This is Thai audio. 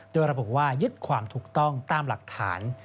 โดยระบุว่ายึดความถูกต้องตามหลักฐาน